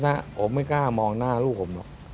นะผมไม่กล้ามองหน้าลูกผมหรอก